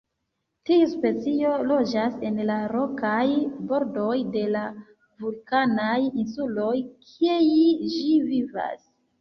Tiu specio loĝas en la rokaj bordoj de la vulkanaj insuloj kie ĝi vivas.